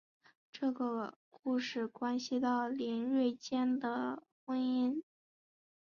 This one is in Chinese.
这个故事关系到林瑞间的婚姻。